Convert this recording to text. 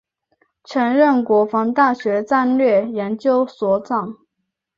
曾任国防大学战略研究所长。